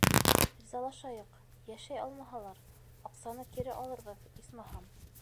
Ризалашайыҡ, йәшәй алмаһалар, аҡсаны кире алырбыҙ, исмаһам.